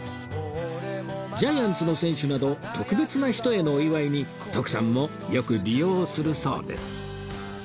ジャイアンツの選手など特別な人へのお祝いに徳さんもよく利用するそうです